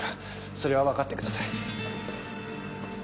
それはわかってください。